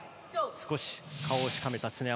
少し顔をしかめた常山。